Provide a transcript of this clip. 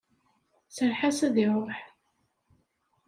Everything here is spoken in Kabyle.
Serreḥ-as ad iruḥ!